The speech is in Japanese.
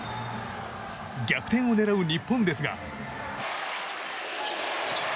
逆転を狙う日本ですが。